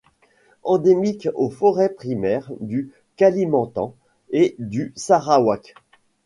Endémique aux forêts primaires du Kalimantan et du Sarawak.